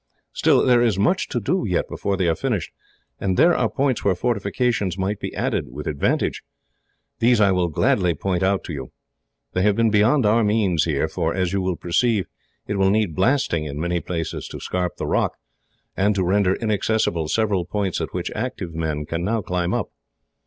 Still, there is much to do yet before they are finished, and there are points where fortifications might be added with advantage. These I will gladly point out to you. They have been beyond our means here, for, as you will perceive, it will need blasting in many places to scarp the rock, and to render inaccessible several points at which active men can now climb up.